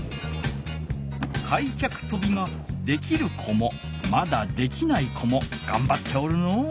開脚とびができる子もまだできない子もがんばっておるのう。